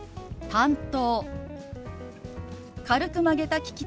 「担当」。